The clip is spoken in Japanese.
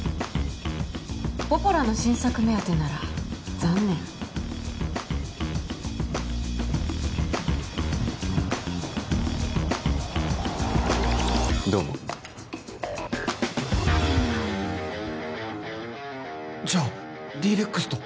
ポポラの新作目当てなら残念どうもじゃあＤ−ＲＥＸと？